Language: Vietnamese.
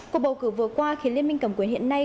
cuộc bầu cử vừa qua khiến liên minh cầm quyền hiện nay